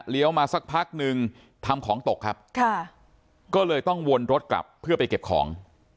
มาสักพักนึงทำของตกครับค่ะก็เลยต้องวนรถกลับเพื่อไปเก็บของ